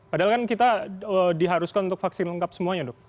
padahal kan kita diharuskan untuk vaksin lengkap semuanya dok